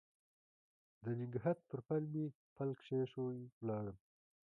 د نګهت پر پل مې پل کښېښوی ولاړم